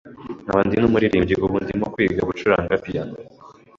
nkaba ndi n’umuririmbyi, ubu ndimo kwiga gucuranga piano